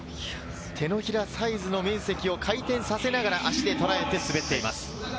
手のひらサイズの面積を回転させながら、足でとらえて滑っています。